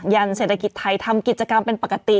เศรษฐกิจไทยทำกิจกรรมเป็นปกติ